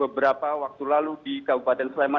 beberapa waktu lalu di kabupaten sleman